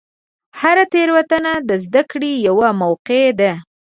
هره تېروتنه د زدهکړې یوه موقع ده.